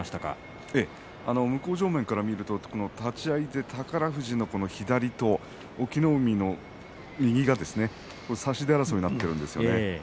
向正面から見ると立ち合いで宝富士の左と隠岐の海の右が差し手争いになっているんですよね。